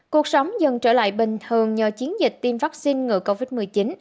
cuộc sống dần trở lại bình thường nhờ chiến dịch tiêm vaccine ngừa covid một mươi chín